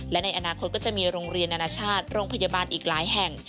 และในอนาคตก็จะมีโรงเรียนนานาชาติโรงพยาบาลอีกหลายแห่ง